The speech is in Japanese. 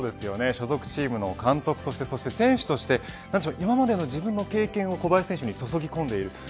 所属チームの監督としてそして選手として今までの自分の経験を小林選手に注ぎ込んでいる。